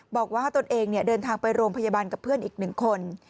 บอกว่าตัวเองเดินทางไปโรงพยาบาลกับเพื่อนอีกหนึ่งคน